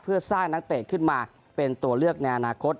เพื่อสร้างนักเตะขึ้นมาเป็นตัวเลือกในอนาคต